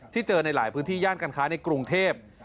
เจอในหลายพื้นที่ย่านการค้าในกรุงเทพ